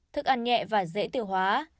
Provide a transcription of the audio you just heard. thức ăn nhẹ và dễ tiêu hóa